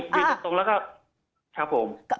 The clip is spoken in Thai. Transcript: ยืนตรงแล้วก็ครับผม